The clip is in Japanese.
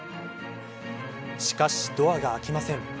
しかし、ドアが開きません。